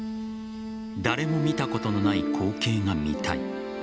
誰も見たことのない光景が見たい。